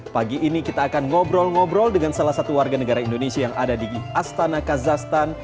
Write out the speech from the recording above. pagi ini kita akan ngobrol ngobrol dengan salah satu warga negara indonesia yang ada di astana kazastan